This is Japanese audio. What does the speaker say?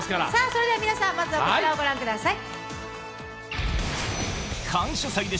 それではまずは皆さん、こちらをご覧ください。